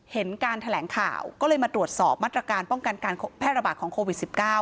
เห็นการแถลงข่าวก็เลยมาตรวจสอบมาตรการป้องกันการแพร่ระบาดของโควิด๑๙